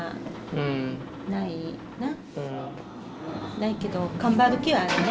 ないけどがんばる気はあるね。